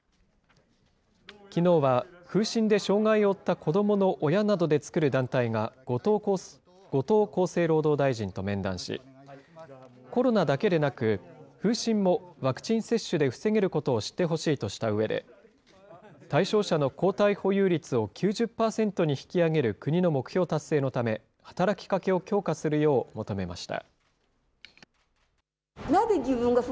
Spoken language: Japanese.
きのうは風疹で障害を負った子どもの親などで作る団体が、後藤厚生労働大臣と面談し、コロナだけでなく、風疹もワクチン接種で防げることを知ってほしいとしたうえで、対象者の抗体保有率を９０％に引き上げる国の目標達成のため、働きかけを強化するよう求めました。